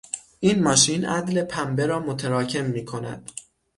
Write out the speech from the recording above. این ماشین عدل پنبه را متراکم میکند.